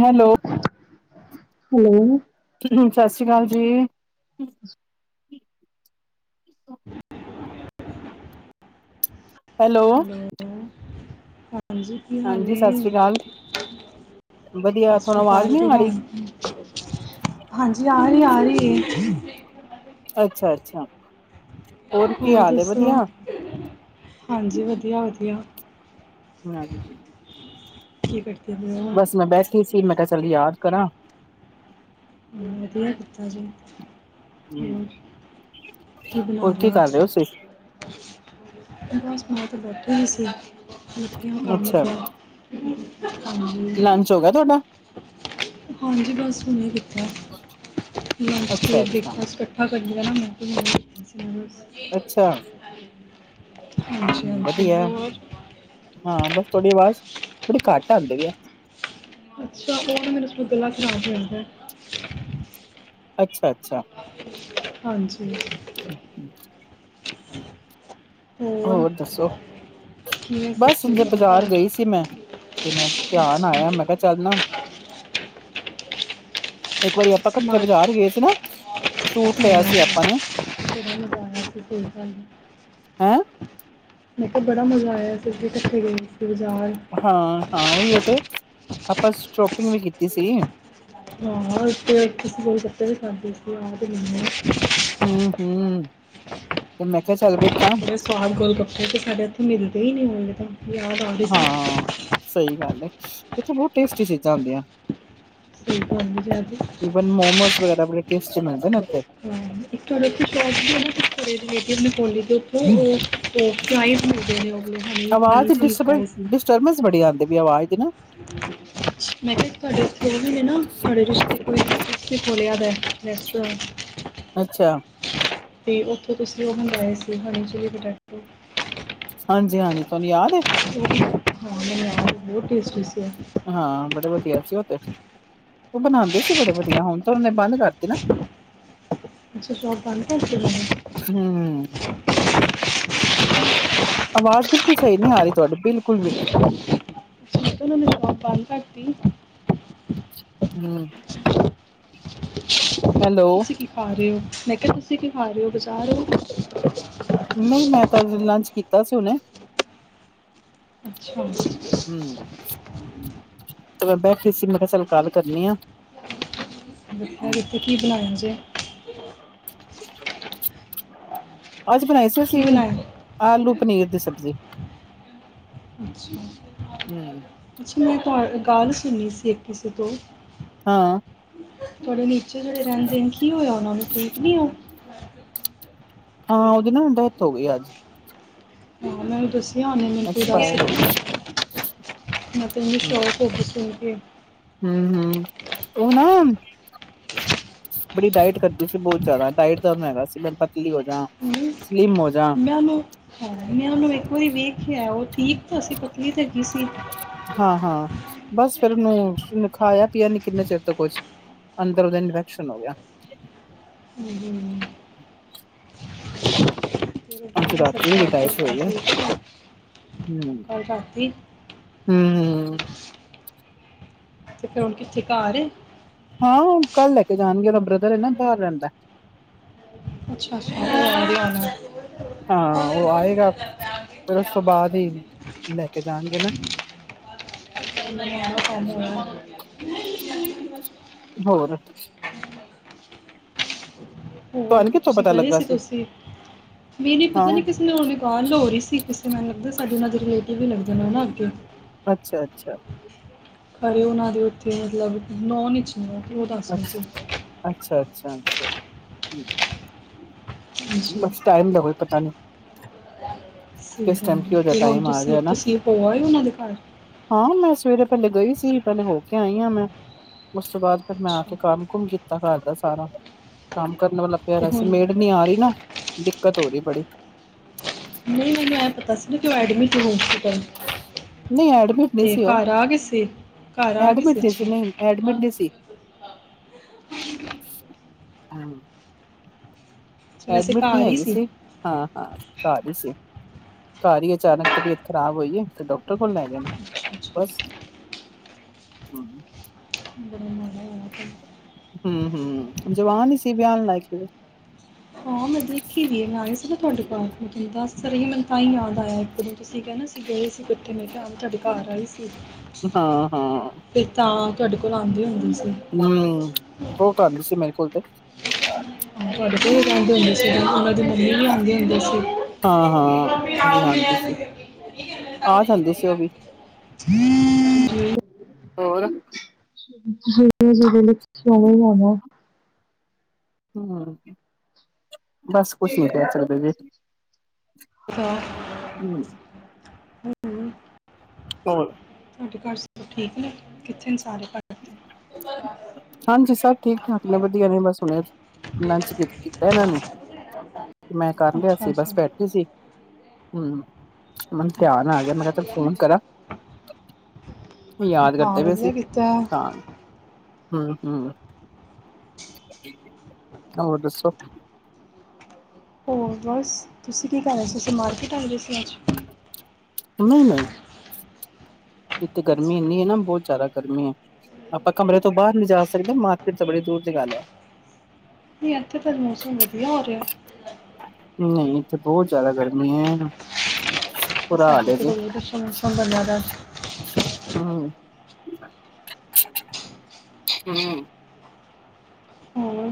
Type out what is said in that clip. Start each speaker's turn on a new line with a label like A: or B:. A: Hello
B: hello
A: ਸਤਿ ਸ੍ਰੀ ਅਕਾਲ ਜੀ। ਹੈਲੋ।
B: ਹਾਂਜੀ ਕੀ ਹਾਲ
A: ਹਾਂਜੀ ਸਤਿ
B: ਏ
A: ਸ੍ਰੀ ਅਕਾਲ।
B: ਸਤਿ
A: ਵਧੀਆ,
B: ਸ਼੍ਰੀ
A: ਤੁਹਾਨੂੰ ਆਵਾਜ਼
B: ਅਕਾਲ
A: ਨੀ
B: ਕੀ
A: ਆ
B: ਹ
A: ਰਹੀ?
B: ਹਾਂਜੀ ਹ ਨੀ, ਆ ਰਹੀ ਏ।
A: ਅੱਛਾ, ਅੱਛਾ।
B: ਹੋਰ ਦੱਸੋ ਹਾਂਜੀ ਵਧੀਆ, ਵਧੀਆ।
A: [unintelligible]
B: ਠੀਕ ਏ।
A: ਬਸ ਮੈਂ ਬੈਠੀ ਸੀ ਮੈਂ ਕ ਚੱਲ ਯਾਦ ਕਰਾਂ।
B: ਵਧੀਆ ਕੀਤਾ ਜੇ। ਹਮ ਕੀ ਬਣਾ
A: ਹੋਰ
B: ਰਿਹੇ ਔ
A: ਕਰ
B: ਅਜ।
A: ਰਹੇ ਹੋ ਤੁਸੀਂ?
B: ਮੈਂ ਤਾਂ ਬੈਠੀ ਹੂਈ ਸੀ। ਲੋਕਕੀਆਂ ਕੰਮ
A: ਅੱਛਾ,
B: ਦਾ।
A: ਲੰਚ ਹੋ ਗਿਆ ਤੁਹਾਡ
B: ਹਾਂਜੀ ਬਸ ਹੂਣੇ ਕਿੱਤਾ। ਲੰਚ 'ਤੇ
A: ਅੱਛਾ-ਅੱਛਾ,
B: ਬ੍ਰੇਕਫਾਸਟ ਕੱਠਾ ਕਰਨੀ ਆ ਨਾ ਮੈਂ। [inaudible] ਠੀਕਾਂ
A: ਅੱਛਾ ਅੱਛਾ,
B: [unintelligible]
A: ਵਧੀਆ
B: ਹੋਰ
A: ਹਾਂ ਬੱਸ। ਤੁਹਾਡੀ ਆਵਾਜ਼ ਬੜੀ ਘੱਟ ਆਂਦੀ ਅ।
B: ਅੱਛਾ ਔਹ ਨਾ ਮੇਰਾ ਸੇ ਗਲਾ ਖਰਾਬ ਹੋ ਜਾਂਦਾ।
A: ਅੱਛਾ, ਅੱਛਾ।
B: ਹਾਂਜੀ।
A: ਹੋਰ ਦੱਸੋ,
B: ਕਿਵੇਂ ਸਭ
A: ਬਸ ਉੰਜੇ
B: ਚੱਲਦਾ ਹੈ
A: ਬਾਜ਼ਾਰ
B: ਘਰ
A: ਗਈ ਸੀ ਮੈਂ ਤੇ ਮੈਂ ਧਿਆਨ ਆਇਆ ਮੈਂ ਕਿਹਾ ਚੱਲ ਨਾ ਇੱਕ ਵਾਰੀ
B: ਅੱਛਾ
A: ਆਪਾਂ ਇਕੱਠੇ
B: ਸਮਾਰਟ
A: ਬਾਜ਼ਾਰ ਗਏ ਸੀ ਨਾ, ਸੂਟ ਲਿਆ ਸੀ ਆਪਾਂ
B: ਬੜਾ
A: ਨੇ।
B: ਮਜ਼ਾ ਆਇਆ ਸੀ ਸਹੀ ਮੈ ਕਿਹਾ ਬੜਾ ਮਜ਼ਾ ਆਇਆ ਸੀ ਜ ਇਕੱਠੇ ਗਏ ਸੀ ਬਾਜ਼ਾਰ
A: ਹਾਂ ਹਾਂ ਉਹੀ ਹੋ ਤੇ ਆਪਾਂ ਸੋਪਿੰਗ ਵੀ ਕੀਤੀ ਸੀਗੀ
B: ਹਾਂ ਤੁਸੀਂ ਖਾਂਦੇ ਸੀ ਆਨ
A: ਹਮ ਹਮ ਤੇ ਮੈਂ ਕਿਹਾ ਚੱਲ ਬ
B: ਜਿਹੜੇ ਸਵਾਦ ਗੋਲ ਕੱਪੜੇ ਤੇ ਸਾਡੇ ਉੱਥੇ ਮਿਲਦੇ ਹੀ ਨਹੀਂੀ ਹੋਣਗੇ ਤਾਂ ਯਾਦ ਆ ਰਹੀ ਸੀ
A: ਹਾਂ ਸਹੀ ਗੱਲ ਇੱਥੇ ਬਹੁਤ ਟੇਸਟੀ ਚੀਜ਼ਾਂ ਹੁੰਦੀਆਂ
B: ਸਹੀ ਗੱਲ ਹੈ ਜੀ ਅੱਜ
A: ਵਨ ਮੋਮੋਸ ਵਗੈ ਆਪਣੇ [unintelligible]
B: ਹਾਂ ਇੱਕਥੇ ਸ਼ੌਕ ਨਾਥ ਹੋਲੀ ਦੇ ਉੱਥੋਂ ਉਹ ਟਰਾਈਬ ਹੁੰਦੇ ਨੇ ਉਹ ਵਾਲੇ ਹਨੀ ਹਨੀ
A: ਆਵਾਜ਼
B: ਚਿਲੀ
A: ਡਿਸ
B: ਫਰਾਈਜ਼
A: ਡਿਸਟਰਬੈਂਸ ਬੜੀ ਆਉਂਦੀ ਆਵਾਜ਼ ਦੀ ਨਾ
B: ਮੈਂ ਕਿਹਾ ਤੁਹਾਡੇ ਕੋਲ ਵੀ ਨੇ ਨਾ ਤੁਹਾਡੇ ਰਿਸ਼ਤੇ ਕੋਈ [unintelligible] ਦੱਸੋ
A: ਅੱਛਾ
B: ਅਤੇ ਉਹ ਤੇ ਤੁਸੀਂ ਉਹ ਮੰਗਾਏ ਸੀ ਹਨੀ ਚੀਲੀ [unintelligible]
A: ਹਾਂਜੀ ਹਾਂਜੀ ਤੁਹਾਨੂੰ ਯਾਦ
B: [unintelligible]
A: ਹੈ
B: ਹਾਂ ਮੈਨੂੰ ਯਾਦ ਹੈ ਬਹੁਤ ਟੈਸਟ ਸੀ ਉਹ।
A: ਹਾਂ ਬੜੇ ਵਧੀਆ ਸੀ ਉਹ ਤੇ ਉਹ ਬਣਾਉਂਦੇ ਸੀ ਬੜੇ ਵਧੀਆ ਹੁਣ ਤਾਂ ਉਹਨੇ ਬੰਦ ਕਰਤੀ ਨਾ
B: ਅੱਛਾ
A: ਹੂੰ
B: [unintelligible]
A: ਆਵਾਜ਼ ਬਿਲਕੁਲ ਸਹੀ ਨਹੀਂੀ ਆ ਰਹੀ ਤੁਹਾਡੀ ਬਿਲਕੁਲ ਬਲ
B: [unintelligible] ਸ਼ੋਪ ਬੰਦ ਕਰਤੀ
A: ਹਮ ਹੈਲੋ
B: ਤੁਸੀਂ ਕੀ ਪਾ ਰਹੇ ਹੋ ਕਿ ਤੁਸੀਂ ਕੀ ਖਾ ਰਹੇ ਹੋ ਬਜ਼ਾਰ ਹੋ
A: ਨਹੀਂ ਮੈਂ ਤਾਂ ਲੰਚ ਕੀਤਾ [unintelligible]
B: ਅੱਛਾ
A: ਹੂੰ ਤੇ ਮੈਂ ਬੈਠ ਸੀ ਮ ਫਸਲ ਕਾਲ ਕਰਨੀ ਆ
B: ਕਿਤੇ ਕੀ ਬਣਾਇਆ ਜੇ [inaudible]
A: ਅੱਜ ਬਣਾਈ
B: ਕੀ
A: ਸੀਸੀਂ
B: ਬਣਾਇਆ
A: ਆਲੂ ਪਨੀਰ ਦੀ ਸਬਜ਼ੀ
B: ਅੱਛਾ ਅੱਛਾ ਕੁਛ ਨੀ ਆਲਸ ਨਈ ਸੀ ਇੱਕੀ ਸੌ ਤੋਂ
A: ਹਾਂ
B: [unintelligible] ਜਿਹੜੇ ਰਹਿੰਦੇ ਨੇ ਕੀ ਹੋਇਆ ਉਹਨਾ ਨੂੰ ਠੀਕ ਨੀ ਉਹ [inaudible]
A: ਹਾਂ ਉਹਦੀ ਨਾ ਡੈਥ ਹੋ ਗਈ ਅੱਜ
B: ਹਾਂ ਮੈਂਨੂੰ ਦੱਸ ਮੈਨੂੰ ਤੇ ਦੱਸ
A: ਐਕਸਪਾਇਰ ਹੋ ਗਈ
B: ਮੈ ਤੇ ਏਨੀ
A: ਹਮ
B: ਸ਼ੌਕ ਹੋਗੀ ਸੀ ਏਹ
A: ਹਮ ਹਮ ਉਹ ਨਾ ਬੜੀ ਡਾਇਟ ਕਰਦੀ ਸੀ ਬਹੁਤ ਜ਼ਿਆਦਾ ਡਾਇਟ ਦਾ ਉਹਨੂੰ ਹੈਗਾ ਸੀ ਮੈ ਪਤਲੀ ਹੋ ਜਾ
B: ਹਮ,
A: ਸਲਿਮ ਹੋ ਜਾ
B: ਮੈਂ ਉਹਨੂੰ ਹੈ ਮੈਂ ਉਹਨੂੰ ਇੱਕ ਵਾਰੀ ਵੇਖਿਆ ਉੱਥੇ ਠੀਕ ਤਾਂ ਸੀ ਪਤਲੀ ਤੇ ਹੈਗੀ ਸੀ
A: ਹਮ ੳਹਨੇ ਖਾਇਆ ਪੀਆ ਨੀ ਕਿੰਨੇ ਚਿਰ ਤੋਂ ਕੁਛ ਅੰਦਰ ਉਹਦਾ ਇਨਫੈਕਸ਼ਨ ਹੋ ਗਿਆ
B: ਹਮ ਹਮ
A: ਅੱਜ ਰਾਤੀ ਉਹਦੀ ਡਾਇਟ ਹੋਈ ਹੈ
B: [inaudible]
A: ਹਮ
B: ਕੱਲ ਰਾਤੀ
A: ਹਮ
B: ਤੇ ਫੇਰ ਹੁਣ ਕਿੱਥੇ ਘਰ ਏ
A: ਕੱਲ੍ਹ ਲੈ ਕੇ ਜਾਣਗੇ ਉਹਦਾ ਬ੍ਰਦਰ ਹੈ ਨਾ ਬਾਹਰ ਰਹਿੰਦਾ
B: ਅਛਾ ਅਛਾ
A: ਹਾਂ ਉਹ ਆਏਗਾ ਫਿਰ ਉਸ ਤੋਂ ਬਾਅਦ ਹੀ ਲੈ ਕੇ ਜਾਣਗੇ ਨਾ ਹੋਰ
B: ਹੋਰ
A: ਤੁਹਾਨੂੰ ਕਿੱਥੋਂ
B: ਤੁਸੀਂ
A: ਪਤਾ
B: ਗਏ
A: ਲੱਗਾ
B: ਸੀ ਤੁਸੀਂ ਨੀ ਨੀ
A: ਹਾਂ
B: ਪਤਾ ਨਹੀ ਕਿਸੇ ਨੇ ਹੁਣੀ ਗੱਲ ਹੋ ਰਹੀ ਸੀ ਕਿਸੇ ਮੈਨੂੰ ਲੱਗਦਾ ਸਾਡੇ ਨਾਲ ਜ ਕਲੇਟੀ ਵੀ ਲੱਗ ਜਾਣਾ ਨਾ ਅੱਗੇ
A: ਅੱਛਾ ਅੱਛਾ
B: ਘਰੇ ਉਹਨਾਂ ਦੇ ਉੱਥੇ ਮਤਲਬ ਨੌਨ ਵਿਚ ਨੇ
A: ਅੱਛਾ ਅੱਛਾ ਅੱਛਾ ਅੱਛਾ ਹਮ
B: ਹਾਂਜੀ
A: ਬਸ ਟਾਈਮ ਦਾ ਕੋਈ ਪਤਾ ਨੀ
B: ਸਹੀ
A: ਕਿਸ
B: ਗੱਲ
A: ਟਾਈਮ
B: ਹੈ
A: ਕਿਹੋ ਜਿਹਾ
B: ਤੇ ਹੁਣ
A: ਟਾਈਮ ਆ
B: ਤੁਸੀਂ
A: ਗਿਆ ਨਾ
B: ਤੁਸੀਂ ਹੋ ਆਏ ਉਹਨਾਂ ਦੇ ਘਰ
A: ਹਾਂ ਮੈਂ ਸਵੇਰੇ ਪਹਿਲੇ ਗਈ ਸੀ ਪਹਿਲੇ ਹੋ ਕੇ ਆਈ ਹਾਂ ਮੈਂ ਉਸ ਤੋਂ ਬਾਅਦ ਫਿਰ ਮੈਂ ਆ ਕੇ
B: ਅੱਛਾ
A: ਕੰਮ ਕੁਮ ਕੀਤਾ ਘਰ ਦਾ ਸਾਰਾ ਕੰਮ ਕਰਨ ਵਾਲਾ
B: ਤੇ
A: ਪਿਆਰ ਸੀ
B: ਹੁਣ
A: ਮੇੜ ਨੀ ਆ ਰਹੀ ਨਾ ਕਤ ਹੋ ਰਹੀ ਪੜੀ
B: ਨਹੀਂ ਆਇ ਪਤਾ ਸੀ ਕਿਉਂਇਆ ਐਡ
A: ਨਹੀਂ ਐਡਮਿਟ ਨਹੀਂ ਸੀ ਉਹ
B: ਘਰ ਆ ਗਏ ਸੀ ਘਰ ਆ ਗਏ
A: ਐਡਮਿਟ ਨਹੀਂ ਸੀ
B: ਅੱਛਾ
A: ਨਹੀਂ ਐਡਮਿਟ ਨਹੀਂ ਸੀ ਹਾਂ
B: ਅੱਛਾ ਵੈਸੇ
A: ਐਡਮਿਟ ਨਹੀਂ
B: ਘਰ ਹੀ
A: ਹੈਗੀ ਸੀ ਹਾਂ ਹਾਂ ਸ ਰਹੀ ਸੀ ਘਰ ਹੀ ਅਚਾਨਕ ਤਬੀਅਤ ਖ਼ਰਾਬ ਹੋਈ ਹੈ ਤੇ ਡਾਕਟਰ ਕੋਲ ਲੈ ਗਏ
B: ਅੱਛਾ ਅੱਛਾ
A: ਬਸ
B: ਬੜਾ ਮਾੜਾ ਹੋਇਆ
A: ਹਮ ਹਮ ਜਵਾਨ ਸੀ ਬਿਆਨ ਲਾਇਕ
B: ਤਾਂ ਹਾਂ ਮੈਂ ਦੇਖੀ ਵੀ ਹੈ, ਮੈਂ ਆਈ ਸੀ ਨਾ ਤੁਹਾਡੇ ਘਰ ਮੈਂ [unintelligible] ਤੁਸੀਂ ਕਹਿਿੰਦੇ ਸੀਂ ਗਏ ਸੀ ਕਿੱਥੇ ਮ ਕਿਹਾ ਤੁਡੇ ਘਰ ਆਏ ਸੀ
A: ਹਾਂ ਹਾਂ
B: ਤੁਡੇ ਕੋਲ ਆਉਂਦੀ ਹੁੰਦੀ ਸੀ
A: ਹਮ ਬਹੁਤ ਆਦੀ ਸੀ ਮੇਰੇ ਕੋਲ [unintelligible]
B: ਪੜਕੇ ਕਹਦੇ ਹੁੰ ਸੀ ਦੁਬਰੇ ਵੀ ਆਉਂਦੇ ਆ ਦ ਜ ਜਿਦੇ ਸ
A: ਹਾਂ ਹਾਂ ਉਹ ਵੀ ਆਂਦੀ ਸੀ ਆ ਜਾਂਦੀ ਸੀ ਉਹ ਵੀ ਹੋਰ
B: ਜਾਣਾ
A: ਹਮ ਬਸ ਕੁਛ ਨੀ ਕਹਿ ਸਕਦੇ ਵੀੇ
B: ਤਾਂ
A: ਹਮ
B: ਹੋਰ
A: [unintelligible]
B: ਤੁਹਾਡੇ ਘਰ ਸਭ ਠੀਕ ਨੇ ਕਿਥ [unintelligible]
A: ਹਾਂਜੀ ਸਭ ਠੀਕ ਠਾਕ ਇੰਨਾ ਵਧੀਆ ਨੇ ਬਸ ਹੁਣੇ ਲੰਚ ਕੀਤਾ ਇਹਨਾਂ ਨੇ ਮੈਂ ਕਰ ਲਿਆ
B: ਅੱਛਾ
A: ਸੀ
B: ਅੱਛਾ
A: ਬਸ ਬੈਠੀ ਸੀ ਹਮ ਹਾਂ ਮੈਨੂੰ ਖਿਆਰ ਆ ਗਿਆ ਮੈਂ ਕਿਹਾ ਤ ਫੋਨ ਕਰਾਂ ਯਾਦ
B: ਹਾਂ
A: ਕਰਦੇ ਪਏਸੀਂ
B: ਵਧੀਆ ਕੀਤਾ
A: ਤਾਂ ਹਮ ਹਮ ਹੋਰ ਦੱਸੋ
B: ਹੋਰ ਬਸ ਤੁਸੀਂ ਕੀ ਕਰ ਰਹੇ ਸੀ ਅਸੀਂ ਮਾਰਕੀਟ ਆਏਦੇ ਸੀ ਅੱਜ
A: ਨਹੀਂ ਨਹੀਂ ਇੱਥੇ ਗਰਮੀ ਇੰਨੀ ਹੈ ਨਾ ਬਹੁਤ ਜ਼ਿਆਦਾ ਗਰਮੀ ਹੈ ਆਪਾਂ ਕਮਰੇ ਤੋਂ ਬਾਹਰ ਨਹੀਂੀ ਜਾ ਸਕਦੇ ਮਾਰਕੀਟ ਤਾਂ ਬੜੀ ਦੂਰ ਦੀ ਗੱਲ ਹੈ
B: ਨਹੀਂ ਇੱਥੇ ਤਾਂ ਮੌਸਮ ਵਧੀਆ ਹੋ ਰਿਹਾ
A: ਨਹੀਂ ਇੱਥੇ ਬਹੁਤ ਜ਼ਿਆਦਾ ਗਰਮੀ ਹੈ ਬੁਰਾ
B: ਸਾਡੇ
A: ਹਾਲ ਹੈ
B: ਇੱਥੇ
A: ਜੀ
B: ਬਹੁਤ ਅੱਛਾ ਮੌਸਮ ਬਣਾਦਾ
A: ਹਮ
B: ਹੋਰ